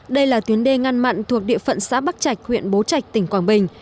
đây là tuyến đê ngăn mặn thuộc địa phận xã bắc trạch huyện bố trạch tỉnh quảng bình